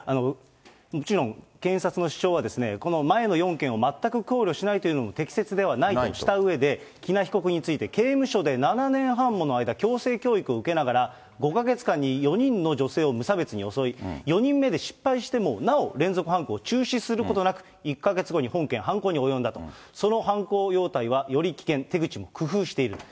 もちろん検察の主張はこの前の４件を全く考慮しないというのも適切ではないとしたうえで、喜納被告について、刑務所で７年半もの間、矯正教育を受けながら、５か月間に４人の女性を無差別に襲い、４人目で失敗しても、なお連続犯行を中止することなく、１か月後に本件犯行に及んだと、その犯行態様はより危険、手口も工夫している。